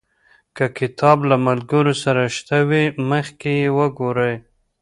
که کتاب له ملګرو سره شته وي، مخکې یې وګورئ.